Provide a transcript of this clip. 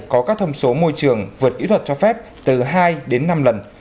có các thông số môi trường vượt kỹ thuật cho phép từ hai đến năm lần